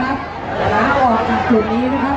ขอบคุณมากนะคะแล้วก็แถวนี้ยังมีชาติของ